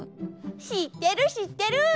しってるしってる！